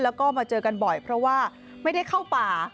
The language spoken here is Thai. แล้วก็มาเจอกันบ่อยเพราะว่าไม่ได้เข้าป่า